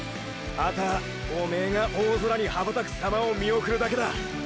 あたぁおめーが大空に羽ばたく様を見送るだけだ。